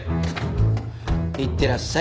いってらっしゃい。